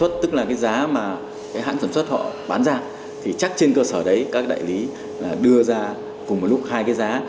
cùng một lúc hai cái giá